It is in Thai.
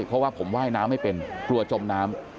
เพราะว่าผมว่ายน้ำไม่เป็นกลัวจมน้ำ